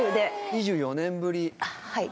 ２４年ぶり。